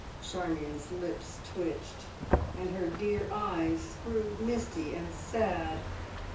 Charmion's lips twitched, and her dear eyes grew misty and sad.